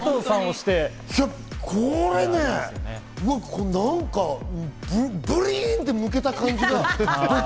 これね、なんかブリンって剥けた感じ。